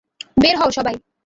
বের হও, সবাই!